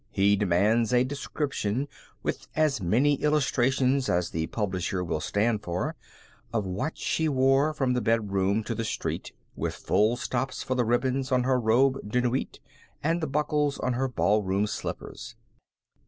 He demands a description, with as many illustrations as the publisher will stand for, of what she wore from the bedroom to the street, with full stops for the ribbons on her robe de nuit, and the buckles on her ballroom slippers.